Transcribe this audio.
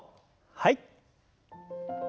はい。